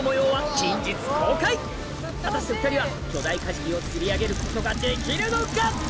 果たして２人は巨大カジキを釣り上げることができるのか？